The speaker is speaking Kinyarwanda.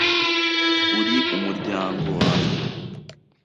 Uri umuryango wanjye